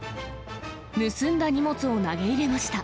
盗んだ荷物を投げ入れました。